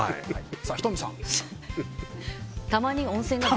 仁美さんは？